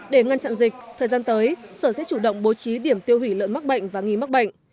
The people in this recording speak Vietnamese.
để ngăn chặn dịch thời gian tới sở sẽ chủ động bố trí điểm tiêu hủy lợn mắc bệnh và nghi mắc bệnh